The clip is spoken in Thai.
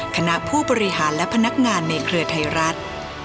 คณะผู้บริหารและพนักงานในเครือไทยรัฐ